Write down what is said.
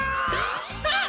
あっ！